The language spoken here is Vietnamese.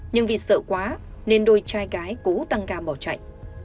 nhưng vì sợ quá nên đôi trai gái cố tăng ga bỏ chạy